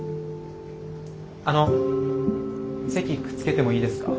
あの席くっつけてもいいですか？